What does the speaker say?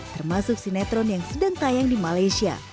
termasuk sinetron yang sedang tayang di malaysia